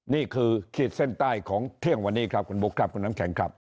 ขีดเส้นใต้ของเที่ยงวันนี้ครับคุณบุ๊คครับคุณน้ำแข็งครับ